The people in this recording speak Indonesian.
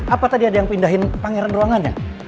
apa tadi ada yang pindahin pangeran ruangannya